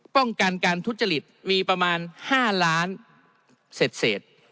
ป้องกันการทุศจริตมีประมาณห้าล้านเสร็จเสร็จ